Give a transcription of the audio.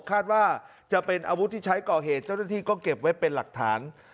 คาดว่าจะเป็นอาวุธที่ใช้ก่อเหตุเจ้าหน้าที่ก็เก็บไว้เป็นหลักฐาน